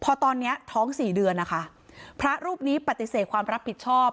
พอตอนเนี้ยท้องสี่เดือนนะคะพระรูปนี้ปฏิเสธความรับผิดชอบ